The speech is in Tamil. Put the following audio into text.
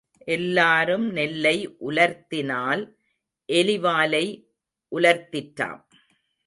எல்லாரும் நெல்லை உலர்த்தினால் எலி வாலை உலர்த்திற்றாம்.